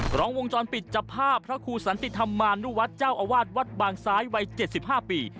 กล้องวงจรปิดจับภาพพระครูสันติธรรมานุวัฒน์เจ้าอาวาสวัดบางซ้ายวัย๗๕ปี